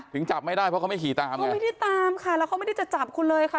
จับไม่ได้เพราะเขาไม่ขี่ตามไงเขาไม่ได้ตามค่ะแล้วเขาไม่ได้จะจับคุณเลยค่ะ